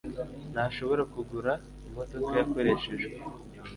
ntashobora kugura imodoka yakoreshejwe